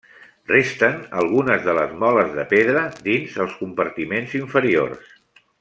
Resten algunes de les moles de pedra dins els compartiments inferiors.